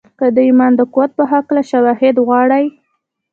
که د ايمان د قوت په هکله شواهد غواړئ.